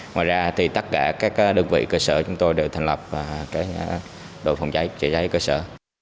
ngoài ra thì tất cả các đơn vị cơ sở chúng tôi đều thành lập đội phòng cháy chữa cháy cơ sở